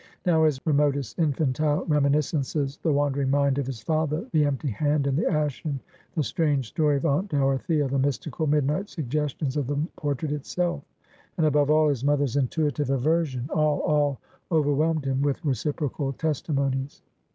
Now his remotest infantile reminiscences the wandering mind of his father the empty hand, and the ashen the strange story of Aunt Dorothea the mystical midnight suggestions of the portrait itself; and, above all, his mother's intuitive aversion, all, all overwhelmed him with reciprocal testimonies.